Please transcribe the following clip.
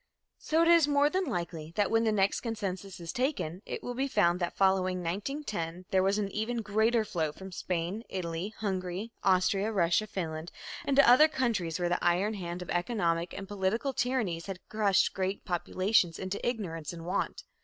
So it is more than likely that when the next census is taken it will be found that following 1910 there was an even greater flow from Spain, Italy, Hungary, Austria, Russia, Finland, and other countries where the iron hand of economic and political tyrannies had crushed great populations into ignorance and want.